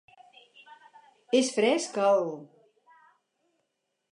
És fresc, el...?